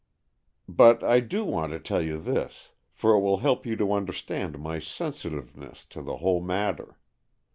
"But I do want to tell you this, for it will help you to understand my sensitiveness in the whole matter.